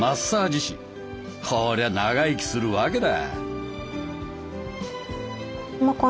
こりゃ長生きするわけだ。